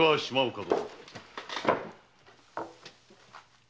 島岡殿。